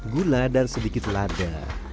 gula dan sedikit lada